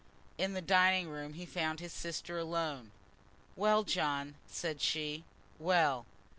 In the dining room he found his sister alone. "Well, John," said she; "well?